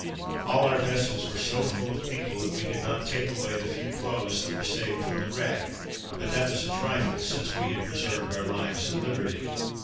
All our vessels were so full of people, that we could not take away the few clothes that were saved from the wreck; but that was a trifle since we had preserved our lives and liberty.